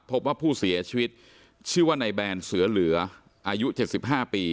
พบว่าผู้เสียชีวิตชื่อว่าในแบรนด์เสือเหลืออายุเจ็ดสิบห้าปี